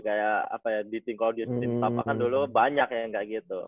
kayak apa ya di think audio di tapakan dulu banyak yang kayak nggak gitu